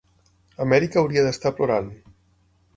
Amèrica hauria d'estar plorant.